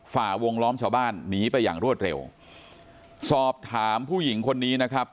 ฝ่าวงล้อมชาวบ้านหนีไปอย่างรวดเร็วสอบถามผู้หญิงคนนี้นะครับ